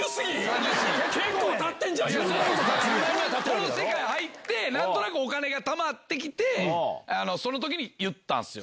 この世界入って何となくお金がたまってきてその時に言ったんすよ。